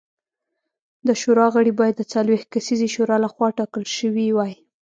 د شورا غړي باید د څلوېښت کسیزې شورا لخوا ټاکل شوي وای